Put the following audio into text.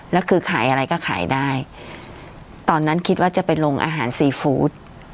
แล้วคือขายอะไรก็ขายได้ตอนนั้นคิดว่าจะไปลงอาหารซีฟู้ด